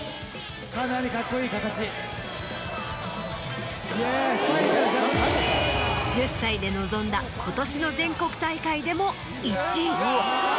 ・かなりカッコいい形・１０歳で臨んだ今年の全国大会でも１位。